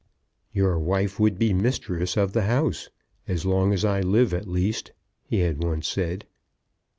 "Your wife would be mistress of the house, as long as I live, at least," he had once said.